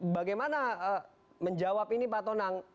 bagaimana menjawab ini pak tonang